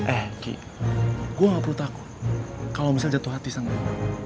eh ki gue gak perlu takut kalo michelle jatuh hati sama gue